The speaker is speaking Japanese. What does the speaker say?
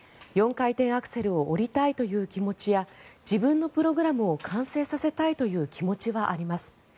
４回転アクセルを降りたいという気持ちや自分のプログラムを完成させたいという気持ちはあります。